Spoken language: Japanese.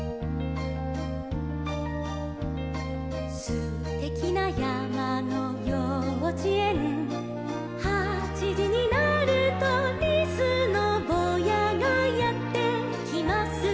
「すてきなやまのようちえん」「はちじになると」「リスのぼうやがやってきます」